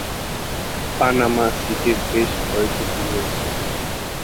Panama সিটির বেশ ক্ষয়ক্ষতি হয়েছে।